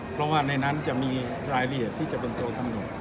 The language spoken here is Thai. เพราะว่าในนั้นจะมีรายละเอียดที่จะเป็นตัวกำหนด